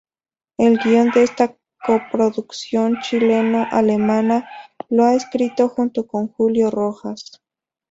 El guion de esta coproducción chileno-alemana lo ha escrito junto con Julio Rojas.